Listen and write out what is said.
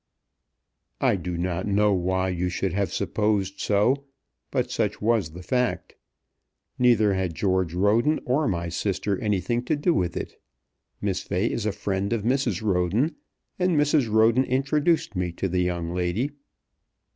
"I do not know why you should have supposed so, but such was the fact. Neither had George Roden or my sister anything to do with it. Miss Fay is a friend of Mrs. Roden, and Mrs. Roden introduced me to the young lady."